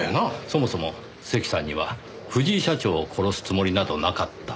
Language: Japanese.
そもそも関さんには藤井社長を殺すつもりなどなかった。